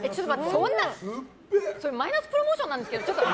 それ、マイナスプロモーションなんですけど。